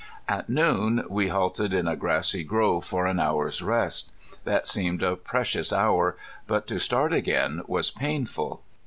At noon we halted in a grassy grove for an hour's rest. That seemed a precious hour, but to start again was painful.